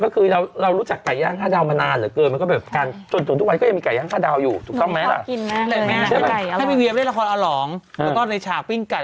คอมเม้นต์นี่น้อย